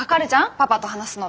パパと話すのって。